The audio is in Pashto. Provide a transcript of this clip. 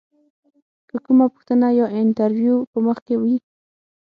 که کومه پوښتنه یا انتریو په مخ کې وي.